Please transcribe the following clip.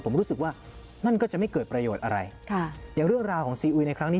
ผมรู้สึกว่านั่นก็จะไม่เกิดประโยชน์อะไรค่ะอย่างเรื่องราวของซีอุยในครั้งนี้